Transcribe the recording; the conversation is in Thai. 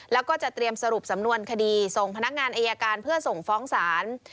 แล้วก็จะเตรียมสรุปสำนวนคดีส่งพนักงานอายการเพื่อส่งฟ้องศาล